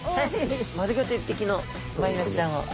丸ごと１匹のマイワシちゃんを。